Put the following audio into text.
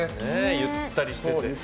ゆったりしてて。